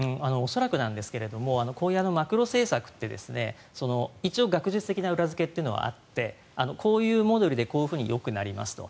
恐らくなんですがこういうマクロ政策って一応、学術的な裏付けはあってこういうモデルでこういうふうによくなりますと。